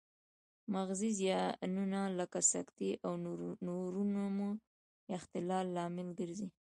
مغزي زیانونه لکه سکتې او تومورونه د اختلال لامل ګرځي